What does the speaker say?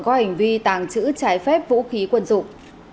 có hành vi tàng trữ trái phép vũ khí quân dụng